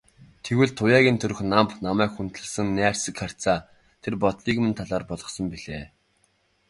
Гэтэл Туяагийн төрх намба, намайг хүндэлсэн найрсаг харьцаа тэр бодлыг минь талаар болгосон билээ.